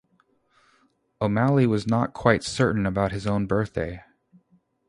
O'Malley was not quite certain about his own birthday.